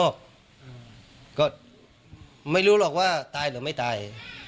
ก็ไม่รู้หรอกว่าตายหรือไม่ตาย